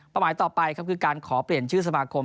หมายต่อไปครับคือการขอเปลี่ยนชื่อสมาคม